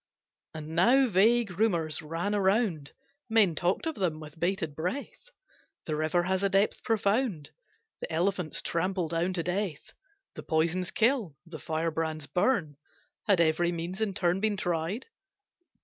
And now vague rumours ran around, Men talked of them with bated breath: The river has a depth profound, The elephants trample down to death, The poisons kill, the firebrands burn. Had every means in turn been tried?